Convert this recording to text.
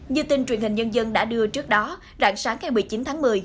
như tin truyền hình nhân dân đã đưa trước đó rạng sáng ngày một mươi chín tháng một mươi